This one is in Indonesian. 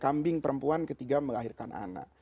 kambing perempuan ketiga melahirkan anak